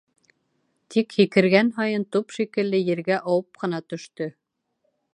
Тик, һикергән һайын, туп шикелле, ергә ауып ҡына төштө.